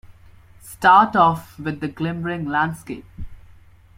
Start off with the glimmering landscape.